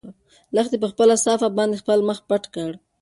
لښتې په خپله صافه باندې خپل مخ پټ کړ.